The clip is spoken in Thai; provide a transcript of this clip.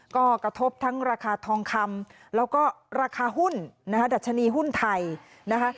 ก็กระทบทั้งราคาทองคำแล้วก็ราคาหุ้นนะคะดัชนีหุ้นไทยนะคะ